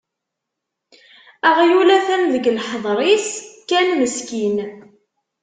Aɣyul atan deg leḥder-is kan meskin.